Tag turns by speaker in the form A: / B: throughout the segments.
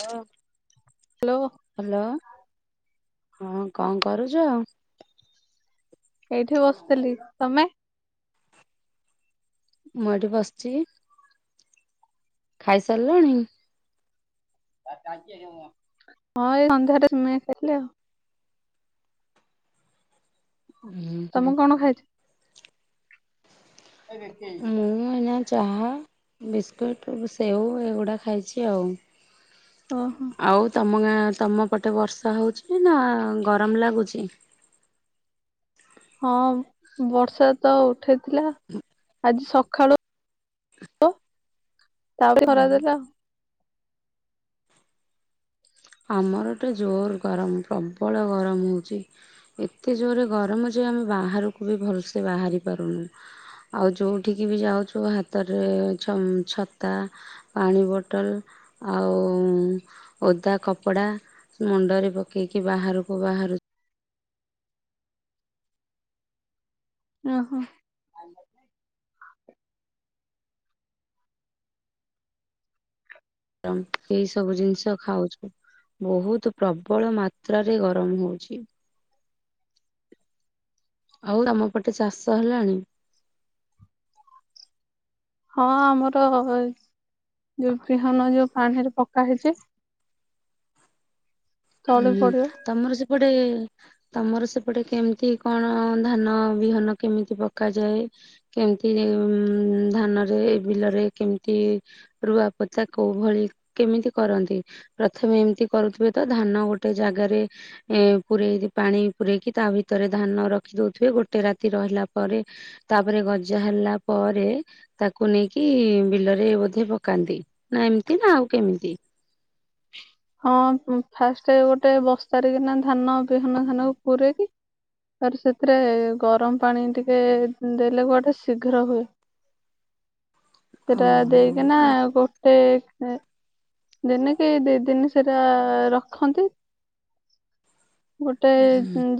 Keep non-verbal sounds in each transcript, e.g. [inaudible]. A: ଓ hello ହଁ କଣ କରୁଚ଼।
B: ଏଇଠି ବସିଥିଲି ତମେ?
A: ମୁଁ ଏଠି ବସିଛି। ଖାଇସାରିଲାଣି?
B: ହଁ ଏଇ ସନ୍ଧ୍ୟାରେ ସିମେଇ ଖାଇଲି ଆଉ।
A: ହୁଁ
B: ତମେ
A: ହୁଁ।
B: କଣ ଖାଇଛି।
A: ମୁଁ ଏଇନା ଚାହା ବିସ୍କୁଟ୍ ସେଓ ଏଗୁଡ଼ା ଖାଇଛି ଆଉ।
B: ଓଁ ହୋ।
A: ଆଉ ତମ ଗାଁ ତମ ପଟେ ବର୍ଷା ହଉଛି ନା ଗରମ ଲାଗୁଛି।
B: ହଁ ବର୍ଷା ତ ଉଠେଇଥିଲା ଆଜି ସଖାଳୁ ତ ତାପରେ
A: ହୁଁ
B: ଖରା ଦେଲା।
A: ଆମର ଏ ଟେ ଜୋର ଗରମ ପ୍ରବଳ ଗରମ ହଉଛି। ଏତେ ଜୋରେ ଗରମ ଯେ ଆମେ ବାହାରକୁ ବି ଭଲସେ ବାହାରି ପାରୁନୁ। ଆଉ ଯୋଉଠିକି ବି ଯାଉଛୁ ହାତରେ ଛ ଛତା, ପାଣି ବୋଟଲ, ଆଉ ଓଦା କପ କପଡା ମୁଣ୍ଡରେ ପକେଇକି ବାହାରକୁ ବାହାରୁ
B: ଓହୋ।
A: ଏଇ ସବୁ ଜିନିଷ ଖାଉଛୁ। ବହୁତ ପ୍ରବଳ ମାତ୍ରାରେ ଗରମ ହଉଛି। ଆଉ ତମ ପଟେ ଚାଷ ହେଲାଣି?
B: ହଁ ଆମର ଯୋଉ ବିହନ ଯୋଉ ପାଣିରେ ପକା ହେଇଛି। ତଳି
A: ହୁଁ
B: ପଡିବ
A: ତମର ସେପଟେ ତମର ସେପଟେ କେମିତି କଣ ଧାନ ବିହନ କେମିତି ପକାଯାଏ? କେମିତି ଧାନରେ ବିଲରେ କେମିତି ରୁଆ ପୋତା କୋଉ ଭଳି କେମିତି କରନ୍ତି ପ୍ରଥମେ ଏମିତି କରୁଥିବେ ତ ଧାନ ଗୋଟେ ଜାଗାରେ ଏ ପୂରେଇ ପାଣି ପୂରେଇକି ତା ଭିତରେ ଧାନ ରଖି ଦଉଥିବେ ଗୋଟେ ରାତି ରହିଲା ପରେ ତାପରେ ଗଜା ହେଲା ପରେ। ତାକୁ ନେଇକି ବିଲରେ ବୋଧେ ପକାନ୍ତି ନା ଏମିତି ନା ଆଉ କେମିତି?
B: ହଁ ଫାଷ୍ଟ ଗୋଟେ ବସ୍ତାରେ କିନା ଧାନ ବିହନ ଧାନ ପୁରେଇକି ଆ ସେଥିରେ ଗରମ ପାଣି ଟିକେ ଦେଲେ କୁଆଡେ ଶୀଘ୍ର ହୁଏ। ସେଟା
A: ଓହୋ
B: ଦେଇକିନା
A: ଆ
B: ଗୋଟେ ଦିନେ କି ଦି ଦିନି ସେଟା ରଖନ୍ତି। ଗୋଟେ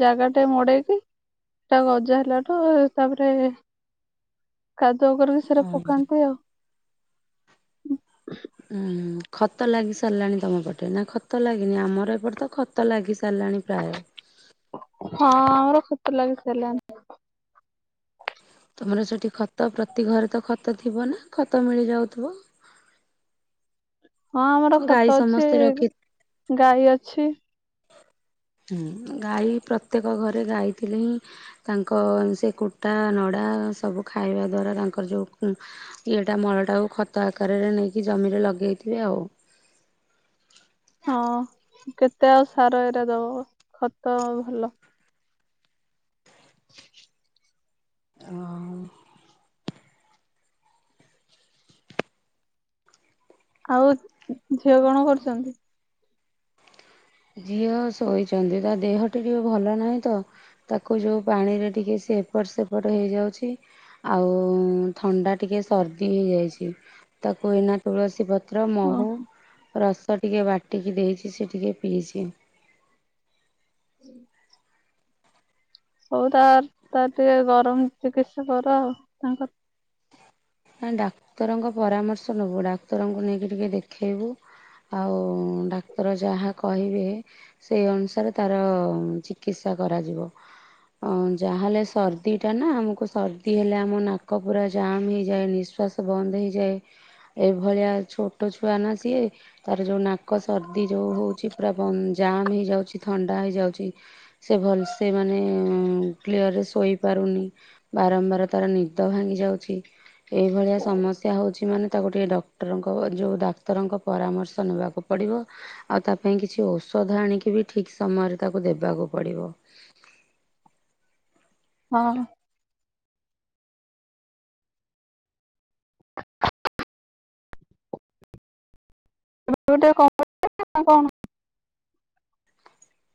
B: ଜାଗା ଟେ ମଡେଇକି ସେଟା ଗଜା ହେଲାଠୁ ତାପରେ କାଦୁଅ କରିକି ସେଟା
A: ଓ
B: ପକାନ୍ତି ଆଉ
A: ଉ ହୁଁ ଖତ ଲାଗି ସାରିଲାଣି ତମ ପଟେ ନା ଖତ ଲାଗିନି ଆମର ଏପଟେ ତ ଖ ତ ଲାଗି ସାରିଲାଣି ପ୍ରାୟ।
B: ହଁ ଆମର ଖତ ଲାଗିସାରିଲାଣି।
A: ତୁମର ସେଠି ଖତ ପ୍ରତି ଘରେ ତ ଖତ ଥିବ ନା ଖତ ମିଳିଯାଉଥିବ।
B: ହଁ ଆମର
A: ଗାଈ
B: ଖତ ଅଛି
A: ସମସ୍ତେ ରଖି
B: ଗାଈ ଅଛି।
A: ହଁ ଗାଈ ପ୍ରତ୍ୟେକ ଘରେ ଗାଈ ଥିଲେ ହିଁ ତାଙ୍କ ସେ କୁଟା ନଡା ସବୁ ଖାଇବା ଦ୍ଵାରା ତାଙ୍କର ଯୋଉ ଇଏଟା ମଳଟାକୁ ଖତ ଆକାରରେ ନେଇକି ଜମିରେ ଲଗେଇଥିବେ ଆଉ।
B: ହଁ କେତେ ଆଉ ସାର ଏରେ ଦବ ଖତ ଭଲ
A: ଆଉ।
B: ଆଉ ଝିଅ କଣ କରୁଛନ୍ତି?
A: ଝିଅ ଶୋଇଛନ୍ତି ତା ଦେହ ଟିକେ ଭଲ ନାହିଁ ତ ତାକୁ ଯୋଉ ପାଣିରେ ଟିକେସେ ଏପଟ ସେପଟ ହେଇଯାଉଛି ଆଉ ଥଣ୍ଡା ଟିକେ ସର୍ଦି ହେଇଯାଇଛି ତାକୁ ଏନା ତୁଳସୀ ପ ପତ୍ର
B: ହଁ
A: ମହୁ ରସ ଟିକେ ବାଟିକି ଦେଇଛି ସେ ଟିକେ ପିଇଛି।
B: [inaudible] ହଉ ତ ତାର ଟିକେ ଗରମ ଚିକିତ୍ସା କର ଆଉ ତାଙ୍କର
A: ନାଁ ଡାକ୍ତରଙ୍କ ପରାମର୍ଶ ନେବୁ ଡାକ୍ତରଙ୍କୁ ନେଇକି ଟିକେ ଦେଖେଇବୁ? ଆଉ ଡାକ୍ତର ଯାହା କହିବେ ସେହି ଅନୁସାରେ ତାର ଚିକିତ୍ସା କରାଯିବ। ଆ ଯାହାହେଲେ ସର୍ଦି ଟାନା ଆମକୁ ସର୍ଦି ହେଲେ ଆମ ନାକ ପୁରା ଜାମ୍ ହେଇ ଯାଏ ନିଶ୍ୱାସ ବନ୍ଦ ହେଇଯାଏ ଏଭଳିଆ ଛୋଟ ଛୁଆ ନାଁ ସିଏ ତାର ଯୋଉ ନାକ ସର୍ଦ୍ଦି ଯୋଉ ହଉଛି ପୁରା ଜାମ୍ ହେଇଯାଉଛି ଥଣ୍ଡା ହେଇଯାଉଛି। ସେ ଭଲସେ ମାନେ କ୍ଲିଅରରେ ଶୋଇପାରୁନି। ବାରମ୍ବାର ତାର ନିଦ ଭାଙ୍ଗି ଯାଉଛି। ଏଇଭଳିଆ ସମସ୍ୟା ହଉଛି ମାନେ ତାକୁ ଟିକେ ଡକ୍ଟରଙ୍କ ଯୋଉ ଡାକ୍ତରଙ୍କ ପରାମର୍ଶ ନେବାକୁ ପଡିବ। ଆଉ ତା ପାଇଁ କିଛି ଔଷଧ ଆଣିକି ବି ଠିକ଼ ସମୟରେ ତାକୁ ଦେବାକୁ ପଡିବ।
B: ହଁ। [unintelligible]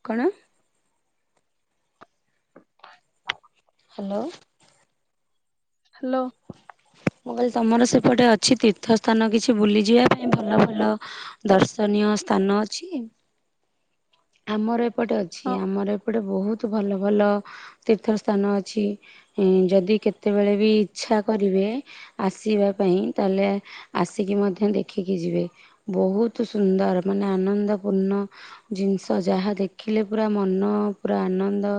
A: କଣ? ହ୍ୟାଲୋ।
B: ହ୍ୟାଲୋ।
A: ମୁଁ କହିଲି ତୋମର ସେପଟେ ଅଛି ତୀର୍ଥ ସ୍ଥାନ କିଛି ବୁଲି ଯିବା ପାଇଁ ଭଲ ଭଲ ଦର୍ଶନୀୟ ସ୍ଥାନ ଅଛି? ଆମର ଏପଟେ ଅଛି,
B: ହଁ
A: ଆମର ଏ ଏପଟେ ବହୁତ ଭଲ ଭଲ ତୀର୍ଥ ସ୍ଥାନ ଅଛି ଏଁ, ଯଦି କେତେବେଳେ ବି ଇଚ୍ଛା କରିବେ ଆସିବା ପାଇଁ ତାହେଲେ ଆସିକି ମଧ୍ୟ ଦେଖିକି ଯିବେ। ବହୁତୁ ସୁନ୍ଦର ମାନେ ଆନନ୍ଦ ପୂର୍ଣ୍ଣ ଜିନିଷ ଯାହା ଦେଖିଲେ ପୁରା ମନ ପୁରା ଆନନ୍ଦ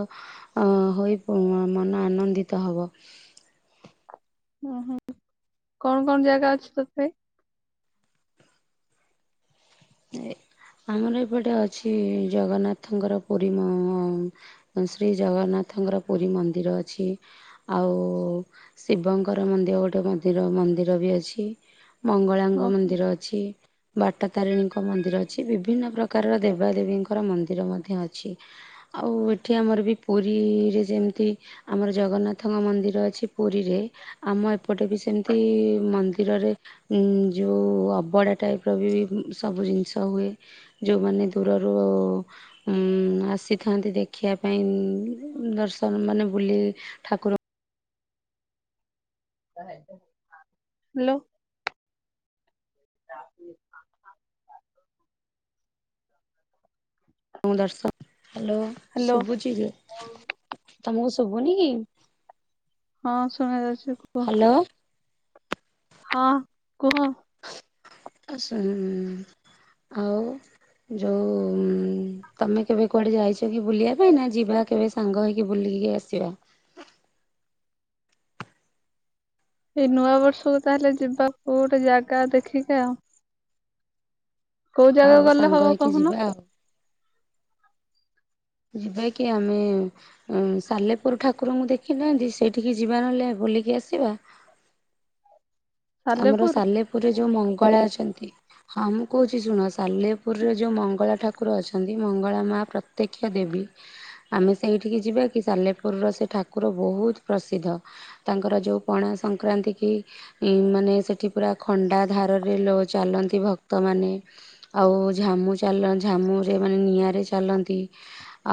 A: ଅ, ହୋଇ ପ-ମନ ଆନନ୍ଦିତ ହବ।
B: ଓ, ହଁ କଣ କଣ ଜାଗା ଅଛି ତଥାବି?
A: ଏ ଆମର ଏପଟେ ଅଛି ଜଗନ୍ନାଥଙ୍କର ପୁରୀ ମ ଅଁ, ଅଁ, ଶ୍ରୀ ଜଗନ୍ନାଥଙ୍କର ପୁରୀ ମନ୍ଦିର ଅଛି। ଆଉ ଶିବଙ୍କର ମନ୍ଦିର ଗୋଟେ ମନ୍ଦିର ମନ୍ଦିର ବି ଅଛି। ମଙ୍ଗଳାଙ୍ଗ
B: ଓ
A: ମନ୍ଦିର ଅଛି, ବାଟ ତାରିଣୀଙ୍କ କ ମନ୍ଦିର ଅଛି ବିଭିନ୍ନ ପ୍ରକାରର ଦେବାଦେବୀଙ୍କର ମନ୍ଦିର ମଧ୍ୟ ଅଛି। ଆଉ ଏଠି ଆମର ବି ପୁରୀରେ ଯେମିତି ଆମର ଜଗନ୍ନାଥଙ୍କ ମନ୍ଦିର ଅଛି ପୁରୀରେ ଆମ ଏପଟେ ବି ସେମିତି ମନ୍ଦିରରେ ଉଁ, ଯୋଉ ଅବଢଡା ଟାଇପ୍ ର ବି ସବୁ ଜିନିଷ ହୁଏ। ଯୋଉମାନେ ଦୂରରୁ ଉଁ, ଆସିଥାନ୍ତି ଦେଖିବା ପାଇଁ ଉଁ, ଦର୍ଶନ ମାନେ ବୁଲି ଠାକୁର
B: ହ୍ୟାଲୋ। [unintelligible]
A: ଙ୍କୁ ଦର୍ଶ
B: ହ୍ୟାଲୋ
A: ଶୁଭୁଛି ଯେ, ତୋମକୁ ଶୁଭୁନି କି?
B: ହଁ ଶୁଣା ଯାଉଛି।
A: ହାଲୋ।
B: ହଁ କୁହ।
A: ଆସ ଉଁ, ଆଉ ଯୋଉ ଉଁ, ତୋମେ କେବେ କୁଆଡେ ଯାଇଛ କି ବୁଲିବା ପାଇଁ ନା ଯିବା କେବେ ସାଙ୍ଗ ହେଇକି ବୁଲିକି ଆସିବା।
B: ଏଇ ନୂଆବର୍ଷକୁ ତାହେଲେ ଯିବା କୋଉ ଗୋଟେ ଜାଗା ଦେଖିକା ଆଉ। କୋଉ
A: ହଉ
B: ଜାଗାକୁ ଗଲେ
A: ସାଙ୍ଗ
B: ହବ
A: ହେଇକି ଯିବା
B: କହୁନ?
A: ଆଉ ଯିବା କି ଆମେ ଅଁ, ସାଲେପୁର ଠାକୁର ମୁଁ ଦେଖିନାହାନ୍ତି, ସେଇଠିକି ଯିବା ନହେଲେ ବୁଲିକି ଆସିବା। ଆମର
B: ସାଲେପୁର
A: ସାଲେପୁରରେ ଯୋଉ ମଙ୍ଗଳା ଅଛନ୍ତି ହଁ ମୁଁ କହୁଛି ଶୁଣ ସାଲେପୁରରେ ଯୋଉ ମଙ୍ଗଳା ଠାକୁର ଅଛନ୍ତି, ମଙ୍ଗଳା ମା ପ୍ରତ୍ୟକ୍ଷ ଦେବୀ। ଆମେ ସେଇଠିକି ଯିବା କି, ସାଲେପୁରର ସେ ଠାକୁର ବହୁତ ପ୍ରସିଦ୍ଧ? ତାଙ୍କର ଯୋଉ ପଣାସଂକ୍ରାନ୍ତି କି ଏଇ ମାନେ ସେଠି ପୁରା ଖଣ୍ଡାଧାରରେ ଲୋ ଚାଲନ୍ତି ଭକ୍ତମାନେ। ଆଉ ଝାମୁ ଚାଲ ଝାମୁରେ ମାନେ ନିଆଁରେ ଚାଲନ୍ତି।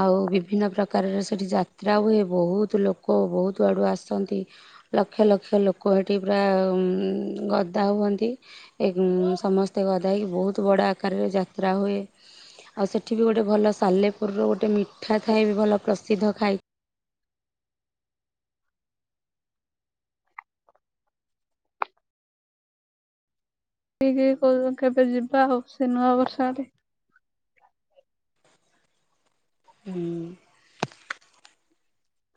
A: ଆଉ ବିଭିନ୍ନ ପ୍ରକାରର ସେଠି ଯାତ୍ରା ହୁଏ, ବହୁତ ଲୋକ ବହୁତୁ ଆଡୁ ଆସନ୍ତି। ଲକ୍ଷ ଲକ୍ଷ ଲୋକ ହେଠି ପ୍ରା ଉଁ, ଗଦା ହୁଅନ୍ତି, ଏ ଉଁ, ସମସ୍ତେ ଗଦା ହେଇକି ବହୁତ ବଡ଼ ଆକାରରେ ଯା ତ୍ରା ହୁଏ। ଆଉ ସେଠିବି ଗୋଟେ ଭଲ ସାଲେପୁରର ଗୋଟେ ମିଠା ଥାଏବି, ଭଲ ପ୍ରସିଦ୍ଧ ଖାଇ
B: ଠିକି କୋଉଦିନ କେବେ ଯିବା ଆଉ ସେ ନୂଆବର୍ଷ ଆଡେ।
A: ହୁଁ।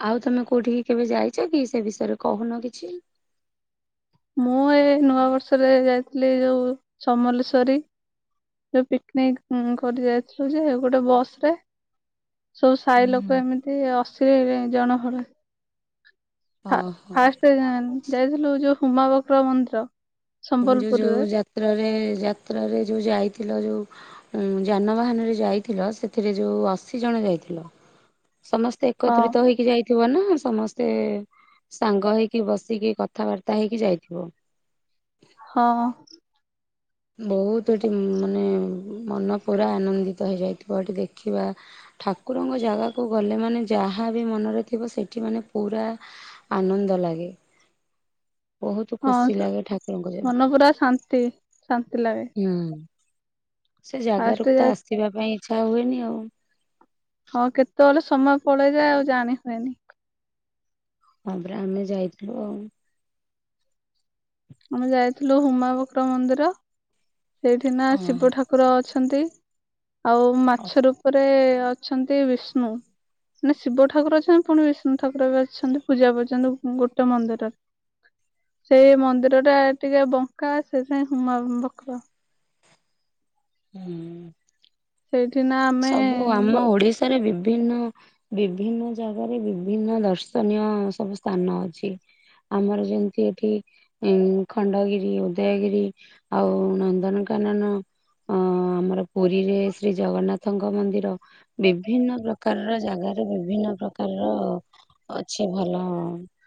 A: ଆଉ ତୋମେ କୋଉଠିକି କେବେ ଯାଇଚ କି, ସେ ବିଷୟରେ କହୁନ କିଛି?
B: ମୁଁ ଏ ନୂଆବର୍ଷରେ ଯାଇଥିଲି ଏ ଯୋଉ ସମଲେଶ୍ଵରୀ। ଯୋ ପିକନିକ ଉଁ, କରି ଯାଇଥିଲୁ ଯେ ଗୋଟେ ବସ୍ ରେ ସବୁ ସାଇଲୋକ
A: ହୁଁ
B: ଏମିତି ଅଶି ଜଣ ଖଣ୍ଡେ। ଫା
A: ଓହୋ
B: ଫାଷ୍ଟ ଯାଇଥିଲୁ ଯୋଉ ହୁମାବକ୍ର ମନ୍ଦିର।
A: ଯୋଉ
B: ସମ୍ବଲପୁରରେ
A: ଯାତ୍ରାରେ ଯାତ୍ରାରେ ଯୋଉ ଯାଇଥିଲ ଯୋଉ। ଉଁ ଯାନବାହାନରେ ଯାଇଥିଲ, ସେଥିରେ ଯୋଉ ଅଶୀ ଜଣ ଯାଇଥିଲ, ସମସ୍ତେ
B: ହଁ
A: ଏକତ୍ରିତ ହେଇକି ଯାଇ ଥିବନା ସମସ୍ତେ ସାଙ୍ଗ ହେଇକି ବସିକି କଥାବାର୍ତ୍ତା ହେଇକି ଯାଇଥିବ।
B: ହଁ।
A: ବହୁତ ଏଠି ମାନେ ମନ ପୁରା ଆନନ୍ଦିତ ହେଇଯାଇଥିବ, ଏଠି ଦେଖିବା ଠାକୁରଙ୍କ ଜାଗାକୁ ଗଲେ ମାନେ ଯାହାବି ମନରେ ଥିବ, ସେଠି ମାନେ ପୁରା ଆନନ୍ଦ ଲାଗେ। ବହୁତ
B: ହଁ
A: ଖୁସି
B: ତ
A: ଲାଗେ ଠାକୁରଙ୍କ ଜାଗା
B: ମନ ପୁରା ଶାନ୍ତି, ଶାନ୍ତି ଲାଗେ।
A: ହୁଁ, ସେ
B: ଫାଷ୍ଟ
A: ଜାଗାରୁତ
B: ଯାଇ
A: ଆସିବା ପାଇଁ ଇଚ୍ଛା ହୁଏନି ଆଉ।
B: ହଁ କେତେବେଳେ ସମୟ ପଳେଇଯାଏ, ଆଉ ଜାଣି ହୁଏନି।
A: ହଁ ପରା ଆମେ ଯାଇଥିଲୁ ଆଉ।
B: ଆମେ ଯାଇଥିଲୁ ହୁମାବକ୍ର ମନ୍ଦିର, ସେଇଠିକି ନା ଶିବ ଠାକୁ କୁର ଅଛନ୍ତି, ଆଉ
A: ହଁ
B: ମାଛ ରୂପରେ ଅଛନ୍ତି ବିଷ୍ଣୁ। ନା ଶିବଠାକୁର ଅଛନ୍ତି ପୁଣି ବିଷ୍ଣୁଠାକୁର ବି ଅଛନ୍ତି, ପୂଜା କରୁଛନ୍ତି ଗୋଟେ ମନ୍ଦିର। ସେ ମନ୍ଦିରଟା ଟିକେ ବଙ୍କା ସେଥିପାଇଁ ହୁମାବକ୍ର।
A: ହୁଁ।
B: ସେଇଠି ନାମ
A: ସବୁ ଆମ ଓଡିଶାରେ ବିଭିନ୍ନ ବିଭିନ୍ନ ଜାଗାରେ ବିଭିନ୍ନ ଦର୍ଶନୀୟ ସବୁ ସ୍ଥାନ ଅଛି। ଆମର ଯେମିତି ଏଠି ଇଁ ଖଣ୍ଡଗିରି, ଉଦୟଗିରି, ଆଉ ନନ୍ଦନକାନନ ଅଁ ଆମର ପୁରୀରେ ଶ୍ରୀ ଜଗନ୍ନାଥ ନାଥ ଙ୍କ ମନ୍ଦିର, ବିଭିନ୍ନ ପ୍ରକାରର ଜାଗାରେ ବିଭିନ୍ନ ପ୍ରକାରର ଅଛି ଭଲ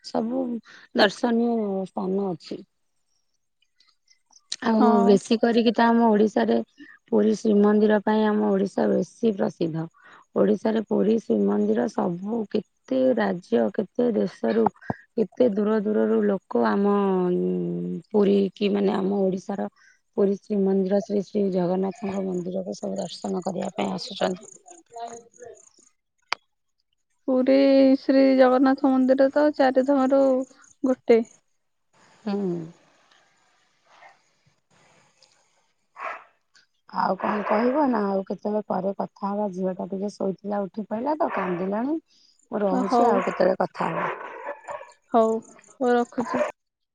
A: ସବୁ ଦର୍ଶନୀୟ ସ୍ଥାନ ଅଛି। ଆଉ
B: ହଁ
A: ବେଶୀ କରିକି ତ ଆମ ଓଡିଶାରେ ପୁରୀ ଶ୍ରୀମନ୍ଦିର ପାଇଁ ଆମ ଓଡିଶା ବେଶୀ ପ୍ରସିଦ୍ଧ। ଓଡିଶାରେ ପୁରୀ ଶ୍ରୀମନ୍ଦିର ସବୁ କେତେ ରାଜ୍ୟ, କେତେ ଦେଶରୁ କେତେ ଦୂର ଦୂରରୁ ଲୋକ ଆମ ପୁରୀକି ମାନେ ଆମ ଓଡିଶାର ପୁରୀ ଶ୍ରୀ ମନ୍ଦିର ଶ୍ରୀ ଶ୍ରୀ ଜଗନ୍ନାଥଙ୍କ ମନ୍ଦିରକୁ ସବୁ ଦର୍ଶନ କରିବା ପାଇଁ ଆସୁଛନ୍ତି।
B: ପୁରୀ ଶ୍ରୀ ଜଗନ୍ନାଥ ମନ୍ଦିର ତ ଚାରିଧାମରୁ ଗୋଟେ।
A: ହୁଁ। ଆଉ କଣ କହିବ ନା ଆଉ କେତେବେଳେ ପରେ କଥା ହେବା। ଝିଅଟା ଟିକେ ଶୋଇଥିଲା ଉଠି ପଡିଲା ତ କାନ୍ଦିଲାଣି। ମୁଁ
B: ହଉ
A: ରହୁଛି। ଆଉ କେତେବେଳେ କଥା ହେବା।
B: ହଉ ହଉ ରଖୁଛି।